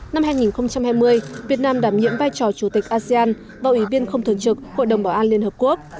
năm hai nghìn hai mươi việt nam đảm nhiệm vai trò chủ tịch asean vào ủy viên không thường trực hội đồng bảo an liên hợp quốc